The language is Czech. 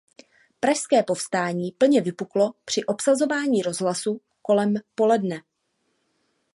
Pražské povstání plně vypuklo při obsazování rozhlasu kolem poledne.